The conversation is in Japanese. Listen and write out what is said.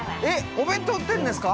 お弁当売ってるんですか？